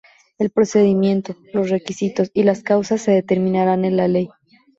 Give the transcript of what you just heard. El procedimiento, los requisitos y las causas se determinarán en la ley.